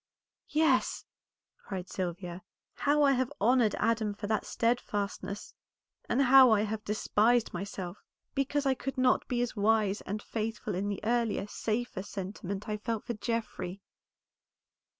"Yes!" cried Sylvia, "how I have honored Adam for that steadfastness, and how I have despised myself, because I could not be as wise and faithful in the earlier, safer sentiment I felt for Geoffrey."